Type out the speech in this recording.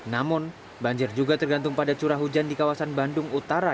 namun banjir juga tergantung pada curah hujan di kawasan bandung utara